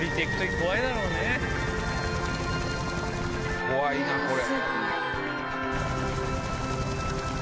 怖いなこれ。